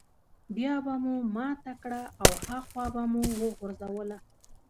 بيا به مو ماته کړه او هاخوا به مو وغورځوله.